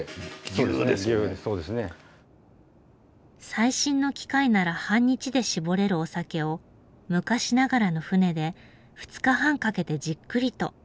最新の機械なら半日で搾れるお酒を昔ながらの槽で２日半かけてじっくりと。